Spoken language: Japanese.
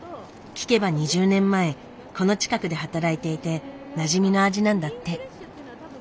聞けば２０年前この近くで働いていてなじみの味なんだって。